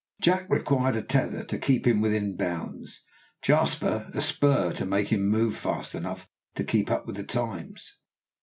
Jack required a tether to keep him within bounds, Jasper a spur to make him move fast enough to keep up with the times.